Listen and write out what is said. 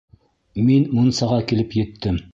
Мин мунсаға килеп еттем.